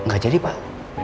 gak jadi pak